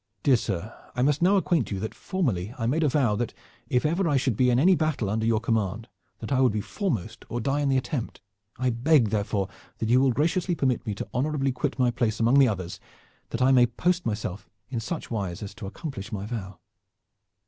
Dear sir, I must now acquaint you that formerly I made a vow if ever I should be in any battle under your command that I would be foremost or die in the attempt. I beg therefore that you will graciously permit me to honorably quit my place among the others, that I may post myself in such wise as to accomplish my vow."